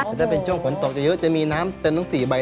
อ่างทองคำนะคะโอ้โฮโอ้โฮ